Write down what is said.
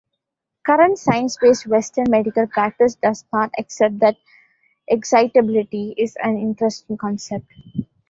Current science-based Western medical practice does not accept that excitability is an interesting concept.